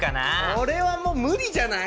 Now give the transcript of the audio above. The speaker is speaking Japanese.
これは無理じゃない？